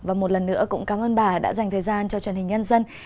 và một lần nữa cũng cảm ơn bà đã dành thời gian cho truyền hình nhân dân